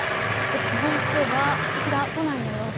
続いてはこちら、都内の様子。